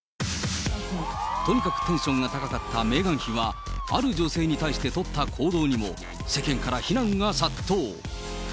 とにかくテンションが高かったメーガン妃は、ある女性に対して取った行動にも、世間から非難が殺到。